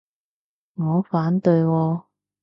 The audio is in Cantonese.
我反對喎